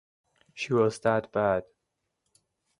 She was that bad.